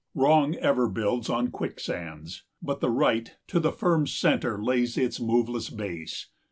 115 Wrong ever builds on quicksands, but the Right To the firm centre lays its moveless base.